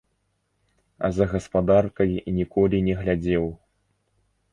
А за гаспадаркай ніколі не глядзеў?